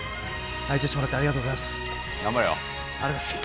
相手してもらってありがとうございます頑張れよ